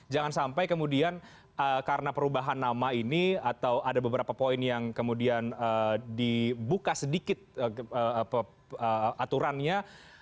jangan sampai kemudian karena perubahan nama ini atau ada beberapa poin yang kemudian dibuka sedikit aturannya